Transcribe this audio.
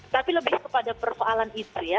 tapi lebih kepada persoalan itu ya